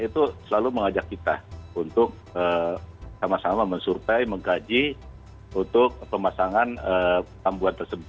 itu selalu mengajak kita untuk sama sama mensurvei menggaji untuk pemasangan perambuan tersebut